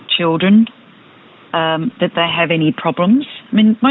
di australia yang luar